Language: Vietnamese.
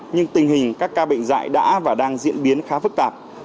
nhưng tình hình các ca bệnh dại đã và đang diễn biến khá phức tạp